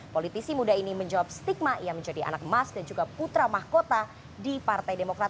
politisi muda ini menjawab stigma ia menjadi anak emas dan juga putra mahkota di partai demokrat